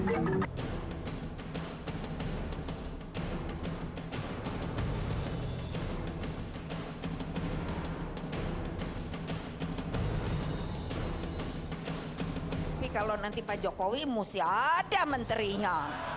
tapi kalau nanti pak jokowi mesti ada menterinya